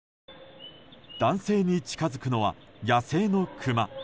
男性に近づくのは野生のクマ。